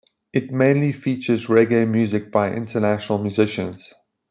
It mainly features reggae music by international musicians.